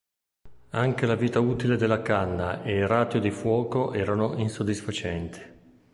Anche la vita utile della canna ed il rateo di fuoco erano insoddisfacenti.